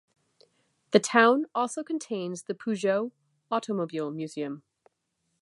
The town also contains the Peugeot automobile museum.